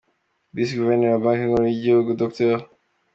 Visi Guverineri wa Banki Nkuru y’ igihugu, Dr.